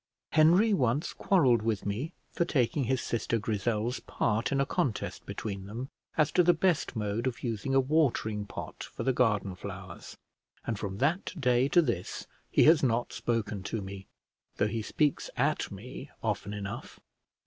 Henry once quarrelled with me for taking his sister Grizzel's part in a contest between them as to the best mode of using a watering pot for the garden flowers; and from that day to this he has not spoken to me, though he speaks at me often enough.